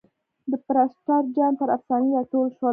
د پرسټر جان پر افسانې را ټول شول.